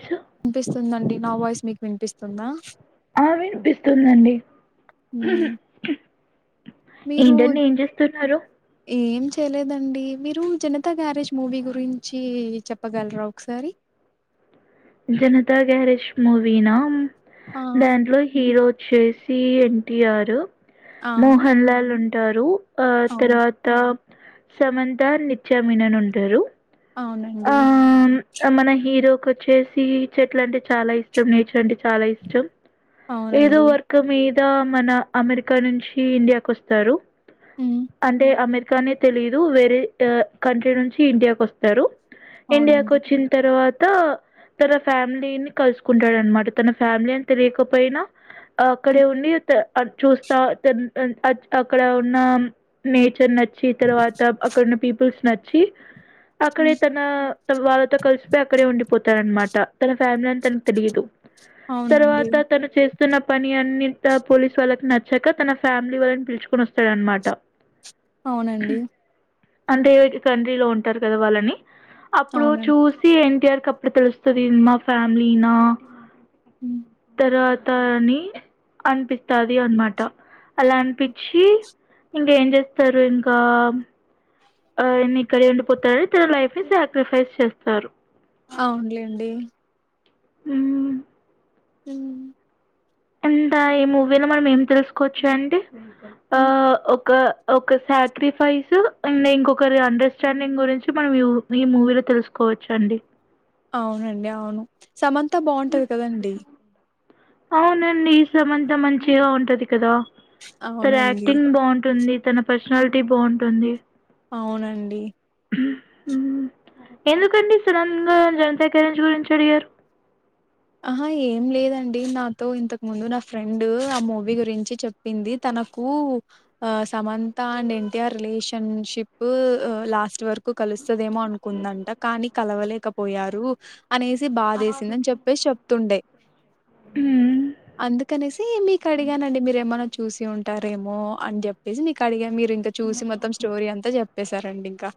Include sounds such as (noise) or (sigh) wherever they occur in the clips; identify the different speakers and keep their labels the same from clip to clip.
Speaker 1: క్షు
Speaker 2: విన్పిస్తుందండి నా వాయిస్ మీక్ విన్పిస్తుందా
Speaker 1: అహా విన్పిస్తుందండి
Speaker 2: హ్మ్. మీరు
Speaker 1: ఏంటండి ఏం జేస్తున్నారు
Speaker 2: ఏం చేయలేదండి మీరు జనతా గ్యారేజ్ మూవీ గురించీ చెప్పగల్రా ఒక్క్సారి
Speaker 1: జనతా గ్యారేజ్ మూవీనా
Speaker 2: ఆ
Speaker 1: దాంట్లో హీరో వొ చ్చేసి ఎన్టిఆరు
Speaker 2: ఆ
Speaker 1: మోహన్ లాల్ ఉంటారు ఆ
Speaker 2: అవును
Speaker 1: తర్వా త సమంత నిత్యమినన్ ఉంటారు
Speaker 2: అవునండి
Speaker 1: అ మన హీరో కొచ్చేసి చెట్లంటే చాలా ఇష్టం నేచర్ అంటే చాలా ఇష్టం ఏదో
Speaker 2: అవునండి
Speaker 1: వర్కు మీద మన అమెరికా నుంచి ఇండియాకొస్తారు
Speaker 2: ఉమ్
Speaker 1: అంటే అమెరికానే తెలిదు వేరే అ కంట్రీ నుంచి ఇండియాకొస్తరు ఇండియా
Speaker 2: అవునండి
Speaker 1: కొచ్చిన్ తర్వాత తన ఫ్యామిలీని కల్సుకుంటాడనమాట తన ఫ్యామిలీ అని తెలియకపోయినా అక్కడే ఉండి తే అద్ చూస్తా తేన్ తే అచ్ అక్కడ ఉన్నా నేచర్ నచ్చి తర్వాత అక్కడున్న పీపుల్స్ నచ్చి అక్కడే
Speaker 2: ఉమ్
Speaker 1: నా వాళ్ళతో కలిసిపెయ్ అక్కడే ఉండిపోతాడ‌న్మాట తన ఫ్యామిలీ అన్ తనక్ తెలియదు
Speaker 2: అవునండి
Speaker 1: తర్వాత తను చేస్ తన పని అన్ని త పోలీస్ వాళ్ళక్ నచ్చక తన ఫ్యామిలీ వాళ్ళని పిల్చుకొనొస్తాడు అన్మాట
Speaker 2: అవునండి
Speaker 1: అంటే ఈ కంట్రీలో ఉంటారు గద వాళ్ళనీ అప్పుడూ
Speaker 2: అవునండి
Speaker 1: చూసి ఎన్టీఆర్ కప్పుడు తెలుస్తది ఇది మా ఫ్యామిలీనా
Speaker 2: ఉ
Speaker 1: రాతా అని అనిపిత్తాది అనమాట అలా అన్పిచ్చీ ఇంకేం జెత్తరు ఇంకా ఆయన్ని ఇక్కడే ఉండిపోతారు ఇక లైఫ్ ని సాక్రిఫైస్ చేస్తారు
Speaker 2: అవునులేండి
Speaker 1: ఊ
Speaker 2: ఉ
Speaker 1: ఎంటైర్ ఈ మూవీలో మనం ఏం తెలుసుకోవచ్చాండి
Speaker 2: ఉ
Speaker 1: అ ఒకా ఒక సాక్రిఫైసు అండ్ ఇంకొకరి అండర్స్టాండింగ్ గురించి మనం ఈ ఊ ఈ మూవీలో తెలుసుకోవచ్చండి
Speaker 2: అవునండి అవును సమంత బావుంటది కద అండి
Speaker 1: అవునండి సమంత మంచిగా ఉంటది కదా తన
Speaker 2: అవునండి
Speaker 1: యాక్టింగ్ బావుంటుంది తన పర్సనాలిటీ బావుంటుంది
Speaker 2: అవునండి
Speaker 1: ఊ ఎందుకండి సడన్గా జనతా గ్యారేజ్ గురించి అడిగారు
Speaker 2: అహా ఏం లేదండి నాతో ఇంతకు ముందు నా ఫ్రెండూ ఆ మూవీ గురించి చెప్ పింది తనకూ ఆ Samantha and NTR relationship ఉ లాస్ట్ వరక్ కు కలుస్తదేమో అనుకుందంట కానీ కలవలేకపోయారు అనేసి బాదేసిందన్ చెప్పేస్ చెప్తుండే
Speaker 1: మ్మ్
Speaker 2: అందుకనేసీ మీకు అడిగానండి మీరేమన్న చూసి ఉంటారేమో అని జేప్పేసి మీకు అడిగా మీరు ఇంక చూసి మొత్తం స్టోరీ అంతా చెప్పేశారండి ఇంకా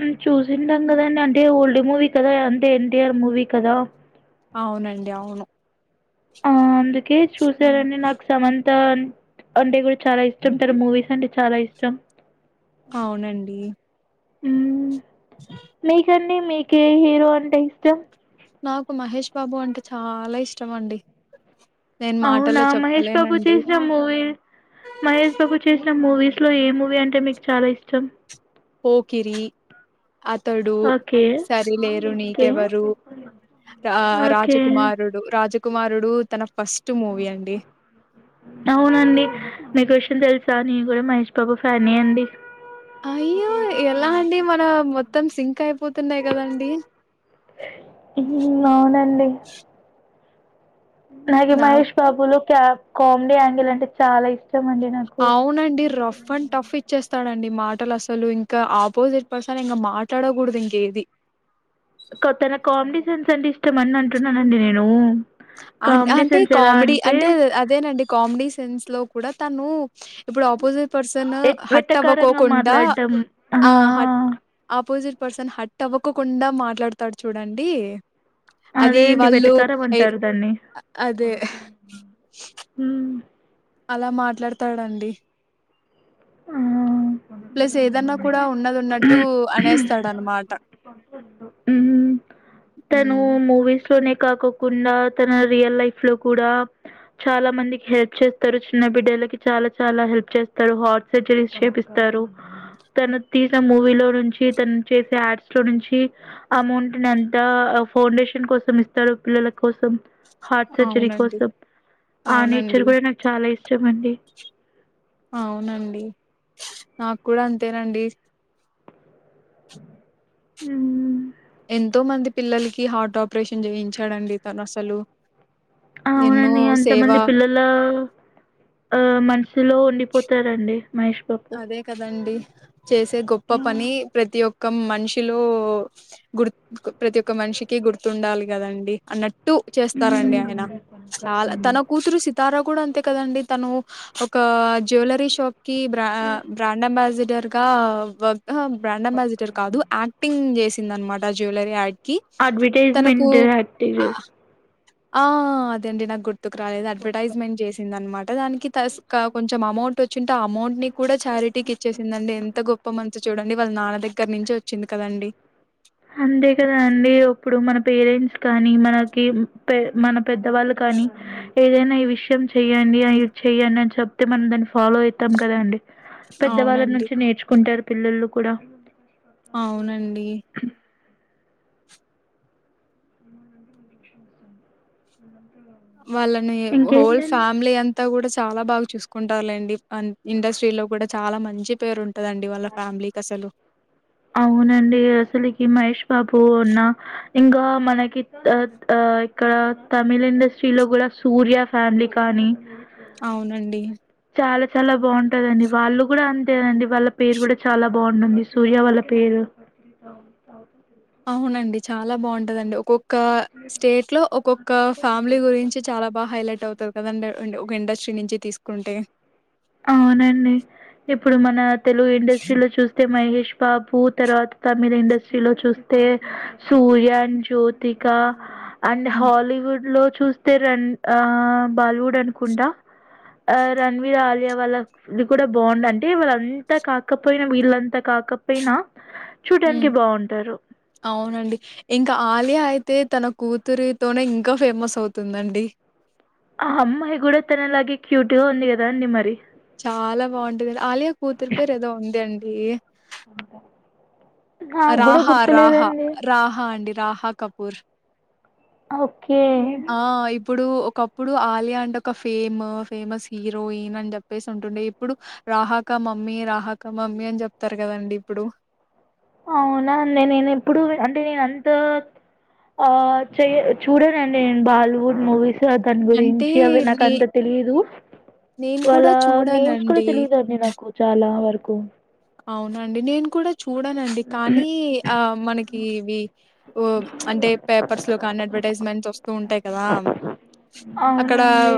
Speaker 1: ఉమ్ చూసింటాం గదండి అంటే ఓల్డ్ మూవీ కదా అంటే ఎన్టీఆర్ మూవీ కదా
Speaker 2: అవునండి అవును
Speaker 1: ఆ అందుకే చూసారండి నాక్ సమంత్ తాన్ అంటే కూడ చాలా ఇష్టం తన మూవీస్ అంటే చాలా ఇష్టం
Speaker 2: అవునండి
Speaker 1: ఊ మీకండి మీకే హీరో అంటే ఇష్టం
Speaker 2: నాకు మహేష్ బాబు అంటే చాలా ఇష్టం అండి
Speaker 1: అవునా మహేష్ బాబు చేసిన మూవీ మహేష్ బాబు చేసిన మూవీస్ లో ఏ మూవీ అంటే మీకు చాలా ఇష్టం
Speaker 2: పోకిరీ అతడూ
Speaker 1: ఓకే
Speaker 2: సరిలేరు
Speaker 1: ఓకే
Speaker 2: నీకెవరు రా
Speaker 1: ఓకే
Speaker 2: రాజకుమారుడు రాజకుమారుడూ తన ఫస్ట్ మూవీ అండి
Speaker 1: అవునండి నీకు ఒ విషయం తెల్సా నేన్ కూడా మహేష్ బాబు ఫ్యానే అండి
Speaker 2: అయ్యో ఎలా అండి మనా మొత్తం సింక్ అయిపోతున్నాయి కదండి
Speaker 1: ఊ అవునండి
Speaker 2: చ్
Speaker 1: నాకి మహేష్ బాబులో క్యాబ్ కామెడీ యాంగిల్ అంటే చాలా ఇష్టం అండి నాకు
Speaker 2: అవునండి రఫ్ అండ్ టఫ్ ఇ ఇచేస్తాడండి మాటలు అసలు ఇంకా ఆపోజిట్ పర్సన్ ఇంగ మాట్లాడకూడదు ఇంకేది
Speaker 1: కొత్తగా కామెడీ సీన్స్ అంటే ఇష్టం అన్ అంటున్నానండి నేను
Speaker 2: అన్
Speaker 1: కామెడీ
Speaker 2: అంటే
Speaker 1: సెన్స్ ఎలా
Speaker 2: కామెడీ అంటే అదేనండి కామెడీ సీన్స్ లో కూడా తను ఇప్పుడు ఆపోజిట్ పర్సన్
Speaker 1: ఎ
Speaker 2: హట్
Speaker 1: వెటకారంగా
Speaker 2: అవ్వకోకుండా
Speaker 1: మాట్లాడడం
Speaker 2: ఆ హట్ ఆపోజిట్ పర్సన్ హట్ అవ్వకోకుండా మాట్లాడతాడు చూడండి. అది
Speaker 1: అదే అండి
Speaker 2: వాళ్ళు
Speaker 1: వెటకారం
Speaker 2: ఏ అదే
Speaker 1: హ్మ్
Speaker 2: అలా మాట్లాడతాడండి
Speaker 1: ఆ
Speaker 2: ప్లస్ ఏదన్నా కూడా ఉన్నది ఉన్నట్టు అనేస్తాడనమాట
Speaker 1: ఉహు తను
Speaker 2: హ్మ్.
Speaker 1: మూవీస్ లోనే కాకోకుండా తన రియల్ లైఫ్ లో కూడా చాలా మందికి హెల్ప్ చేస్తరు చిన్న బిడ్డలకి చాలా చాలా హెల్ప్ చేస్తరు హార్ట్ సర్జరీస్ చేపిస్తరు తను తీసిన మూవీ లో నుంచి తను చేసే యాడ్స్ లో నుంచి అమౌంట్ నీ అం తా ఫౌండేషన్ కోసం ఇస్తారు పిల్లల కోసం హార్ట్ సర్జరీ
Speaker 2: అవునండి.
Speaker 1: కోసం ఆ నేచర్
Speaker 2: అవునండి.
Speaker 1: కూడా నాకు చాలా ఇష్టం అండి
Speaker 2: అవునండి నాక్ కూడా అంతేనండి
Speaker 1: ఉహు
Speaker 2: ఎంతో మంది పిల్లలకి హార్ట్ ఆపరేషన్ చేయించాడండి తన్ అసలు
Speaker 1: అవునండి ఎంతమంది పిల్లల్ అలా ఆ మనసు లో ఉండిపోతారండి మహేష్ బాబు
Speaker 2: అదే కదండి చేసే గొప్ప పని ప్రతి ఒక్క మనిషి లో గుర్ ప్రతి ఒక్క మనిషి కి గుర్తుండాలి కదండి అన్నట్ టు చేస్తారండి ఆయన తన కూతురు సి తారా కూడా అంతే కదండి తను ఒక జ్యులరీ షాప్ కి బ్రాండ్ అంబాసిడర్ గా వర్క్ ఆహా బ్రాండ్ అంబాసిడర్ కాదు యాక్టింగ్ చేసి చేసిందన్నమాట జ్యులరీ యాడ్ కి తనకు
Speaker 1: అడ్వర్టైజ్మెంట్ యాక్టీరియాస్
Speaker 2: ఆహ్, ఆ అదేండి నాక్ గుర్తుకు రాలేదు అడ్వర్టైజ్మెంట్ చేసిందన్మాటా దానికి తస్కా కొంచెం అమౌంట్ ఓచ్చింటే అమౌంట్ ని కూడా ఛారిటీకి ఇచ్చేసిందండి ఎంత గొప్ గొప్ప మనసు చూడండి వాళ్ళ నాన్న దగ్గర నుంచే ఓచ్చింది కదండి
Speaker 1: అంతే కదా అండి ఇప్పుడు మన పేరెంట్స్ కానీ మనకి పె మనం పెద్దవాళ్లు కానీ ఏదైనా ఈ విషయం చెయ్యండి అ ఇ చెయ్యండి అని చెప్తే మనం దాన్ని ఫాలో అయితం కదండి పెద్దవాళ్ళ
Speaker 2: అవునండి
Speaker 1: నుంచి నేర్చుకుంటారు పిల్లల్లు కూడా
Speaker 2: అవునండి వాళ్ళని హోల్
Speaker 1: ఇంకేంటండి
Speaker 2: ఫ్యామిలీ అంత్ అంతా కూడా చాలా బాగా చూసుకుంటారులెండి ఇండస్ట్రీలో కూడా చాలా మంచి పేరుం టదండి వాళ్ళ ఫ్యామిలీకసలు
Speaker 1: అవునండి అసలికి మహేష్ బాబు ఉన్న ఇంగ మనకి ఆ త త్ త తమిళ ఇండస్ట్రీలో గుడా సూర్య ఫ్యామిలీ కానీ
Speaker 2: అవునండి
Speaker 1: చాలా చాలా బాగుంటదండి వాళ్ళు గూడా అంతేనండి వాళ్ళ పేరు గూడా చాలా బాగుంటుంది సూర్య వాళ్ళ పేరు
Speaker 2: అవునండి చాలా బాగుంటదండి ఒక్కొక్క కా స్టేట్ లో ఒక్కొక్క ఫ్యామిలీ గురించి చాలా బా హైలైట్ అవుతుంది కదండి అండ్ ఒక ఇండస్ట్రీ నుంచి తీస్కుంటే
Speaker 1: అవునండి ఇప్పుడు మన తెలుగు ఇండస్ట్రీలో చూస్తే మహేష్ బాబు తర్వాత తమిళ్ ఇండస్ట్రీలో చూస్తే సూర్య అన్డ జ్యోతిక అండ్
Speaker 2: హ్మ్.
Speaker 1: హాలీవుడ్ లో చూస్తే రన్ ఆ బాలీవుడ్ అనుకుంటా ఆ రణవీర ఆలియా వాళ్ళ ఇది కూడా బావుందండి అంటే వీళ్ళంతా కాకపోయినా వీళ్ళంతా కాకపోయినా చూటానికి
Speaker 2: హ్మ్.
Speaker 1: బావుంటారు
Speaker 2: అవునండి ఇంకా ఆలియా అయితే తన కూతురి తోనే ఇంకా ఫేమస్ అవుతుందండి
Speaker 1: ఆ అమ్మాయి గూడా తనలాగే క్యూట్ గా ఉంది గద అండి మరి
Speaker 2: చాలా బాగుంటది ఆలియ కూతురు పేరు ఏదో ఉందండి
Speaker 1: అంటా
Speaker 2: ఆ రాహా రాహా రాహా అండి రాహా కపూర్
Speaker 1: ఓకే
Speaker 2: ఆ ఇప్పుడు ఒకప్పుడు ఆలియా అంటే ఒక ఫేమ్ ఫేమస్ హీరోయిన్ అని చెప్పేసి ఉంటుండే ఇప్పుడు రాహాక మమ్మీ రాహాక మమ్మీ అని జెప్తారు గదండి ఇప్పుడు
Speaker 1: అవునా అండి నేను ఎప్పుడు అంటే నేన్ అంతా ఆ చెయ చూడంనండి నేను బాలీవుడ్ మూవీస్ ద్ దాని
Speaker 2: అంటే
Speaker 1: గురించి అవి నాకు
Speaker 2: నే
Speaker 1: అంత తెలీదు
Speaker 2: నేను
Speaker 1: వాళ్ళ
Speaker 2: కూడా
Speaker 1: నేమ్స్ కూడా
Speaker 2: చూడనండి.
Speaker 1: తెలియదండి నాకు చాలా వరకు
Speaker 2: అవునాండి నేను కూడా చూడానండి కానీ ఆ మనకి ఇవి ఓ అంటే పేపర్స్ లో కానీ అడ్వర్టైజ్మెంట్స్ వస్తూ ఉంటాయి కదా అక్కడ
Speaker 1: అవునండి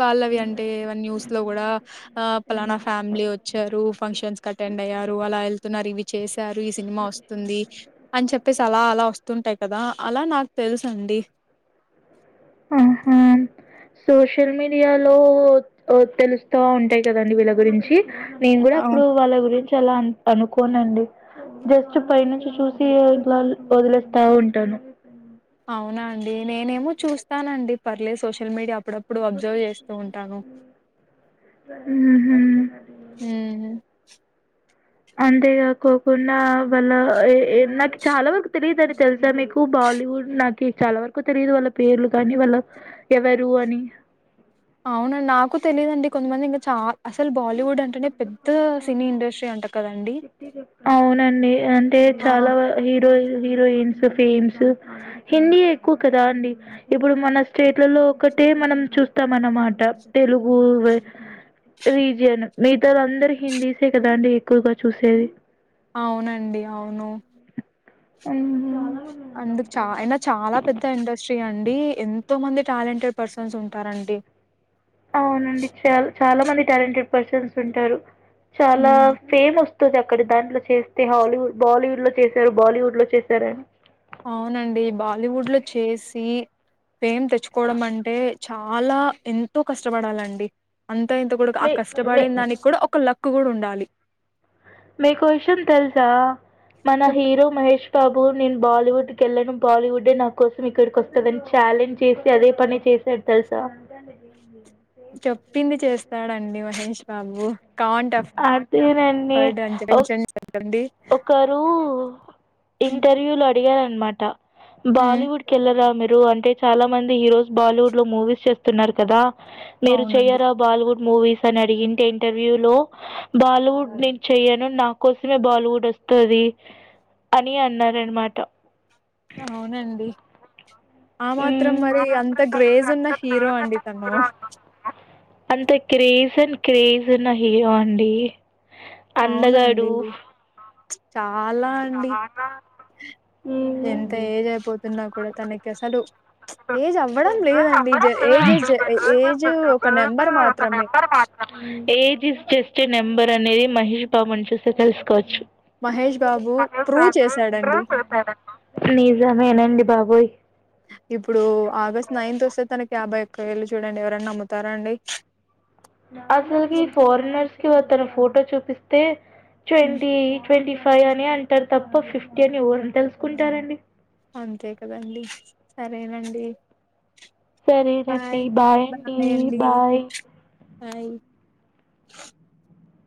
Speaker 2: వాళ్ళవి అంటే ఇవ్వన్ న్యూస్ లో గూడా ఆ పలానా ఫ్యామిలీ వచ్చారు ఫంక్షన్స్ కటెండ్ అయ్యారు అలా ఎళ్తున్నారు ఇవి చేసారు ఈ సినిమా వస్తుంది అన్ చెప్పేసి అలా అలా వస్తుంటాయి కదా అలా నాక్ తెలుసండి
Speaker 1: ఆహా సోషల్ మీడియాలో ఒఓ తెలుస్తా ఉంటాయి కదండి వీళ్ళ గురించి నేన్ గూడా అప్పుడు వాళ్ళ గురించి అలా అ అనుకోనండి జస్ట్ పై నుంచి చూసి ఇట్లా వదిలేస్తా ఉంటాను
Speaker 2: అవునా అండి నేనేమో చూస్తానండి పర్లే సోషల్ మీడియా అప్పుడప్పుడు అబ్జర్వ్ జేస్తూ ఉంటాను
Speaker 1: మ్మ్ మ్మ్
Speaker 2: మ్మ్
Speaker 1: అంతేగాకోకుండా వల్ల ఎ ఎ నాకు చాలా వరకు తెలియదుని తెలుసా మీకు బాలీవుడ్ నాచ్ కీ చాలా వరకు తెలియదు వాళ్ళ పేర్లు గాని వాళ్ళ ఎవరు అని
Speaker 2: అవునండి నాకు తెలియదండి కొంతమంది ఇంకా చాల్ అసలు బాలీవుడ్ అంట్ అంటనే పెద్ద సినీ ఇండస్ట్రీ అంట కదండి ఆ
Speaker 1: హీరోస్ విరోయిన్స్ ఫిమ్స్ హిందీ ఎక్కువ కదా అండి ఇప్పుడు మన స్టేట్లలో ఒకటే మనం చూస్తాం అన్నమాట తెలుగు రీజియన్ మిగతాది అందరు హిందీసే కదాండి ఎక్కువగా చూసేది
Speaker 2: అవునండి అవును
Speaker 1: ఉ
Speaker 2: అందుకు చ అయినా చాలా పెద్ద ఇండస్ట్రీ అండి ఎంతో మంది టాలెంటెడ్ పర్సన్స్ ఉంటారండి
Speaker 1: అవునండి చాల చాలా మంది టాలెంటెడ్ పర్సన్స్ ఉంటారు చాలా
Speaker 2: ఉమ్
Speaker 1: ఫేమ్ వస్తుంది అక్కడ దాంట్లో చేస్తే హాలీవుడ్ బాలీవుడ్ లో చేశారు బాలీవుడ్ లో చేశారని
Speaker 2: అవునండి బాలీవుడ్ లో చేసి ఫేమ్ తెచ్చుకోవడం అంటే చాలా ఎంతో కష్టపడాలండి అంత ఇంత కూడా ఆ
Speaker 1: మీ మీ
Speaker 2: కష్టపడిన దానికి కూడా ఒక లక్ కూడా ఉండాలి
Speaker 1: మీకో విషయం తెలుసా మన
Speaker 2: చెప్ప
Speaker 1: హీరో మహేష్ బాబు నేను బాలీవుడ్కి వెళ్ళాను బాలీవుడ్డే నా కోసం ఇక్కడికి వస్తదని ఛాలెంజ్ చేసి అదే పని చేశాడు తెలుసా (unintelligible)
Speaker 2: చెప్పింది చేస్తాడండి మహేష్ బాబు కాంట్ ఆఫ్
Speaker 1: అదేనండి.
Speaker 2: హర్డ్
Speaker 1: ఓహ్!
Speaker 2: (unintelligible)
Speaker 1: ఒకరు ఇంటర్వ్యూలో అడిగారన్నమాట బాలీవుడ్ కి వెళ్లరా మీరు అంటే చాలా మంది హీరోస్ బాలీవుడ్ లో మూవీస్ చేస్తున్నారు కదా మీరు
Speaker 2: అవునండి
Speaker 1: చెయ్యరా బాలీవుడ్ మూవీస్ అని అడిగి ఇంటర్వ్యూ లో బాలీవుడ్ నేను చెయ్యాను నా కోసమే బాలి వస్తది అని అన్నాడు అనమాట
Speaker 2: అవునండి ఆ మాత్రం
Speaker 1: మ్మ్
Speaker 2: మరి అంత గ్రేజ్ ఉన్న హీరో అండి తను
Speaker 1: అంత క్రేజన్ క్రేజ్ ఉన్న హీరో అండి
Speaker 2: అవునండి
Speaker 1: అందగాడు
Speaker 2: చాలా అండి ఎంత
Speaker 1: మ్మ్
Speaker 2: ఏజ్ అయిపోతున్నా కూడా తనకి అసలు ఏజ్ అవ్వడం లేదండి జ ఏజ్ ఏజ్ ఒక నెంబర్ మాత్రమే
Speaker 1: ఏజ్ ఇస్ జస్ట్ నెంబర్ అనేది మహేష్ బాబుని చూస్తే తెలుసుకోవచ్చు
Speaker 2: మహేష్ బాబు ప్రూవ్ చేశాడండి
Speaker 1: (unintelligible) నిజమేనండి బాబోయ్
Speaker 2: ఇప్పుడు ఆగస్ట్ నైన్త్ వస్తే తనకి యాభై ఒక్క వేళ్ళు చూడండి ఎవరన్నా నమ్ముతారాండి
Speaker 1: అసలుకి ఫోరినర్స్ కి అతను ఫోటో చూపిస్తే
Speaker 2: హ్మ్.
Speaker 1: ట్వంటీ ట్వంటీ ఫైవ్ అని అంటారు తప్ప ఫిఫ్టీ అని ఎవరని తెలుసుకుంటారండి
Speaker 2: అంతే కదండి సరేనండి
Speaker 1: సరేనండి బాయ్ అండి బాయ్
Speaker 2: హయ్